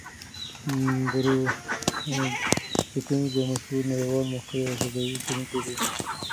بروس بتز یو مشهور نړیوال مخترع او فضايي څېړونکی دی.